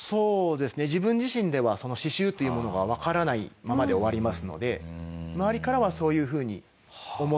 自分自身ではその死臭というものがわからないままで終わりますので周りからはそういうふうに思ってたらしいです。